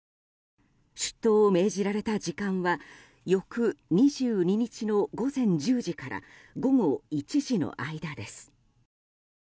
出頭を命じられた時間は翌２２日の午前１０時から午後１時の間です。